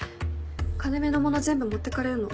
金目のもの全部持ってかれるの。